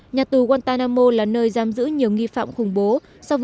nhà tù guantanamo là nơi giam giữ nhiều nghi phạm khủng bố